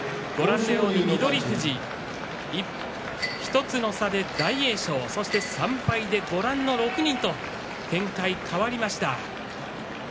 翠富士、１つの差で大栄翔３敗で６人という展開に変わりました。